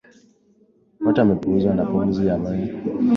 Wote wamepuuzwa na pumzi ya mizigo ya biashara ya Afrika Mashariki